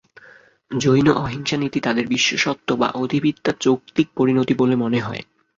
জৈন অহিংসা নীতি তাদের বিশ্বতত্ত্ব বা অধিবিদ্যার যৌক্তিক পরিণতি বলে মনে হয়।